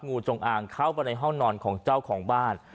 งูจงอางเข้าไปในห้องนอนของเจ้าของบ้าน